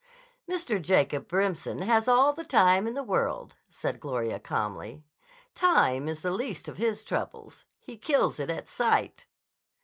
"Mr. Jacob Remsen has all the time in the world," said Gloria calmly. "Time is the least of his troubles. He kills it at sight."